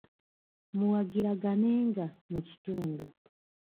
Muwagiraganenga mu kitundu.